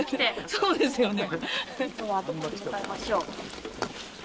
そうですね。